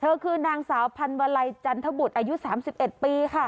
เธอคือนางสาวพันวาลัยจันทบุตรอายุ๓๑ปีค่ะ